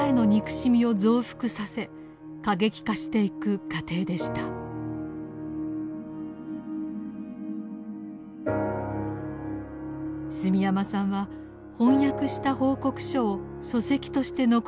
住山さんは翻訳した報告書を書籍として残そうとしています。